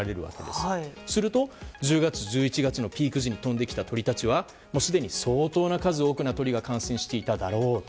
すると、１０月、１１月のピーク時に飛んできた鳥たちはすでに相当な数多くの鳥が感染していただろうと。